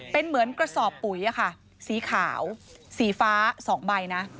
เป็นเหมือนกระสอบปุ๋ยค่ะสีขาวสีฟ้า๒ใบนะ